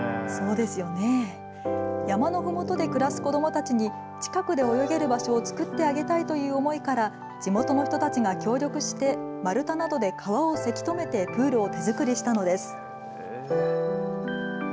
山のふもとで暮らす子どもたちに近くで泳げる場所を作ってあげたいという思いから地元の人たちが協力して丸太などで川をせき止めてプールを手作りしたのです。